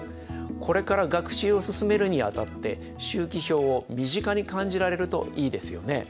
これから学習を進めるにあたって周期表を身近に感じられるといいですよね。